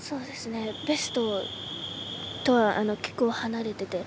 ベストとは結構離れてて。